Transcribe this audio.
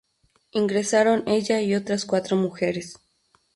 Ingresaron ella y otras cuatro mujeres.